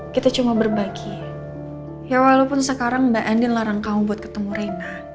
kita cuma berbagi ya walaupun sekarang mbak andi larang kamu buat ketemu rain